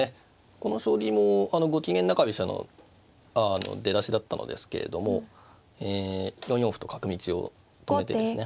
この将棋もゴキゲン中飛車の出だしだったのですけれどもえ４四歩と角道を止めてですね。